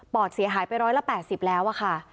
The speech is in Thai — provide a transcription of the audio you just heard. อดเสียหายไป๑๘๐แล้วค่ะ